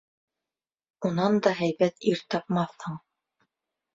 Унан да һәйбәт ир тапмаҫһың.